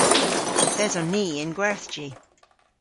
Yth eson ni yn gwerthji.